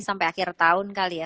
sampai akhir tahun kali ya